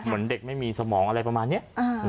เหมือนเด็กไม่มีสมองอะไรประมาณนี้